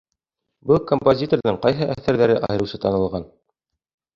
Был композиторҙың ҡайһы әҫәрҙәре айырыуса танылған?